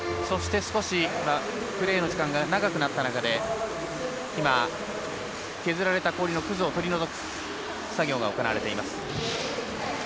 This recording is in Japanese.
そして、少しプレーの時間が長くなった中で今、削られた氷のくずを取り除く作業が行われています。